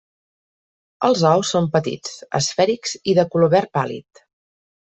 Els ous són petits, esfèrics i de color verd pàl·lid.